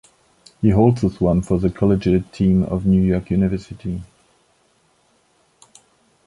He also swam for the collegiate team of New York University.